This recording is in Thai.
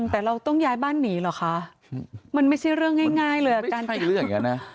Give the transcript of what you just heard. แต่เราต้องย้ายบ้านหนีหรอคะมันไม่ใช่เรื่องง่ายเลยอาการแจ้ง